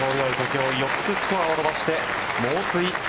今日４つスコアを伸ばして猛追。